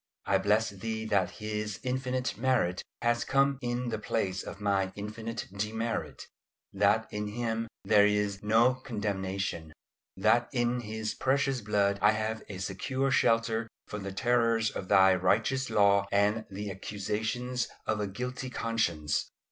I bless Thee that His infinite merit has come in the place of my infinite demerit, that in Him there is "no condemnation;" that in His precious blood I have a secure shelter from the terrors of Thy righteous law and the accusations of a guilty conscience.